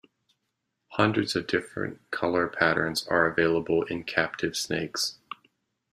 Hundreds of different color patterns are available in captive snakes.